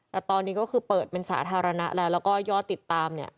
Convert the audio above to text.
แต่ตอนนี้ก็คือเปิดเป็นสาธารณะแล้วแล้วก็ยอดติดตามเนี่ย